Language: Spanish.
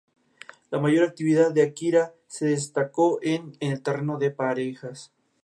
La mayor actividad de Akira se destacó en el terreno por parejas.